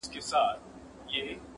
په پای کي هر څه بې ځوابه پاتې کيږي.